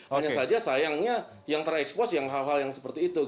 hanya saja sayangnya yang terekspos yang hal hal yang seperti itu